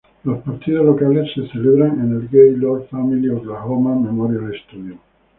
Los partidos locales se celebran en el Gaylord Family Oklahoma Memorial Stadium.